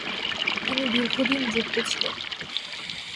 তিনি দীর্ঘদিন যুক্ত ছিলেন।